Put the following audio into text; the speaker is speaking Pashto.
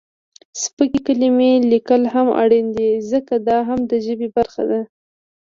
سپکې کلمې لیکل هم اړین دي ځکه، دا هم د ژبې برخه ده.